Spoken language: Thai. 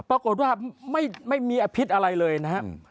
ปรากฏว่าไม่มีอภิษอะไรเลยนะครับ